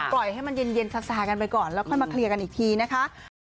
ปล่อยให้มันเย็นซากันไปก่อนแล้วค่อยมาเคลียร์กันอีกทีนะคะ